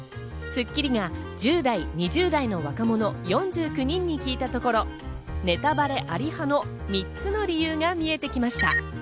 『スッキリ』が１０代、２０代の若者４９人に聞いたところネタバレあり派の３つの理由が見えてきました。